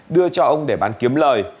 đưa cho ông để bán kiếm lợi